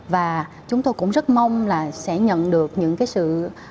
và chúng tôi cũng rất mong sẽ nhận được những sự